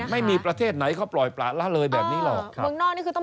ไม่มีประเทศไหนเขาปล่อยปลาละเลยแบบนี้หรอกครับ